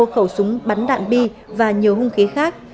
một khẩu súng bắn đạn bi và nhiều hung khí khác